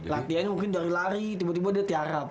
latihannya mungkin dari lari tiba tiba dia tiarap